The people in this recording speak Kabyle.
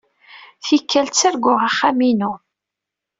Tikkal, ttarguɣ axxam-inu.